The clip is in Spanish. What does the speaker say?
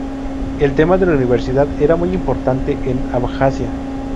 El tema de la universidad era muy importante en Abjasia.